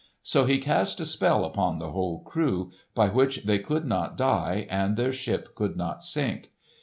So he cast a spell upon the whole crew, by which they could not die and their ship could not sink.